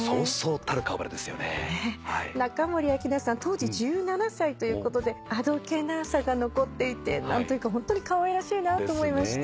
当時１７歳ということであどけなさが残っていて何というかホントにかわいらしいなと思いました。